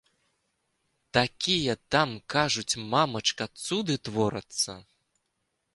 Такія там, кажуць, мамачка, цуды творацца.